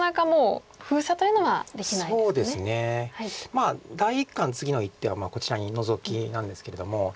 まあ第一感次の一手はこちらにノゾキなんですけれども。